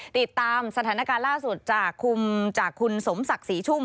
ติดตามสถานการณ์ล่าสุดจากคุมจากคุณสมศักดิ์ศรีชุ่ม